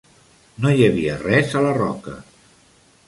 No hi havia res a la roca.